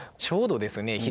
ちょうどですね